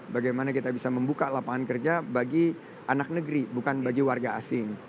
bagaimana kita bisa membuka lapangan kerja bagi anak negeri bukan bagi warga asing